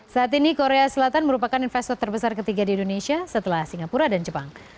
saat ini korea selatan merupakan investor terbesar ketiga di indonesia setelah singapura dan jepang